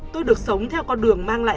tôi được sống theo con đường mang lại